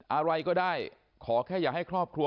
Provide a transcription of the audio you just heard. อะไรก็ได้ขอแค่อย่าให้ครอบครัว